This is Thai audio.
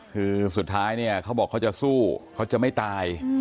คือสุดท้ายเนี่ยเขาบอกเขาจะสู้เขาจะไม่ตาย